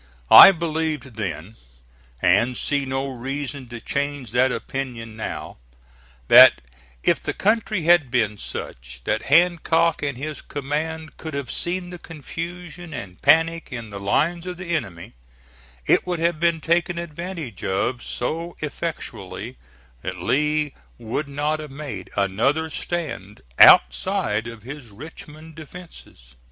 I believed then, and see no reason to change that opinion now, that if the country had been such that Hancock and his command could have seen the confusion and panic in the lines of the enemy, it would have been taken advantage of so effectually that Lee would not have made another stand outside of his Richmond defences.